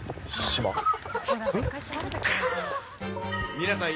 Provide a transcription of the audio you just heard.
皆さん。